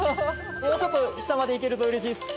もうちょっと下までいけるとうれしいです。